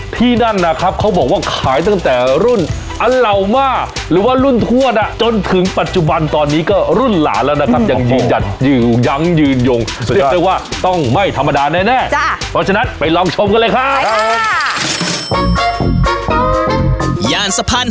ที่นั่นนะครับเขาก็บอกว่าขายตั้งแต่รุ่นอล่าวมาหรือว่ารุ่นทวดจนถึงปัจจุบันตอนนี้ก็รุ่นหลานแล้วนะครับยัง